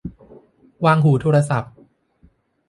วางหูโทรศัพท์